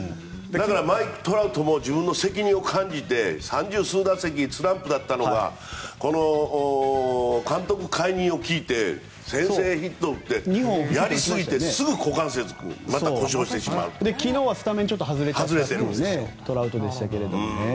マイク・トラウトも自分の責任を感じて三十数打席スランプだったのが監督解任を聞いて先制ヒットを打ってやりすぎて、すぐ股関節を昨日はスタメンを外れてしまったトラウトでしたけど。